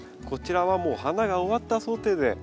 こちらはもう花が終わった想定で。